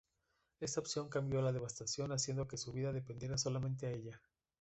Esa opción cambio a Devastación haciendo que su vida dependiera solamente a ella.